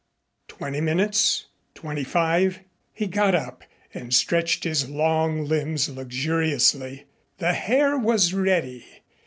Twenty minutes twenty five. He got up and stretched his long limbs luxuriously. The hare was ready.